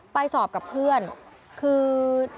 ไปสอบกับเพื่อนคือ